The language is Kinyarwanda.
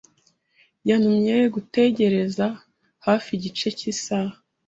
Yantumye gutegereza hafi igice cy'isaha.